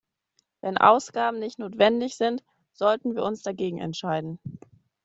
Wenn Ausgaben nicht notwendig sind, sollten wir uns dagegen entscheiden.